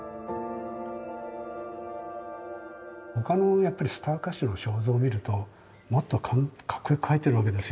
他のやっぱりスター歌手の肖像を見るともっとかっこよく描いてるわけですよ。